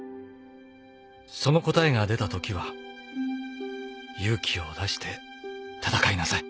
その答えが出たときは勇気を出して戦いなさい」